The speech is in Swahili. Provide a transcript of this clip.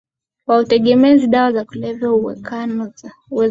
wa utegemezi dawa za kulevya Uwezekano wa